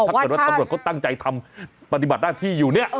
ถ้าเกิดว่าตำรวจเขาตั้งใจทำปฏิบัติหน้าที่อยู่เนี่ย